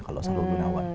kalau saharul gunawan